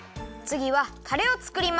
つぎはタレをつくります。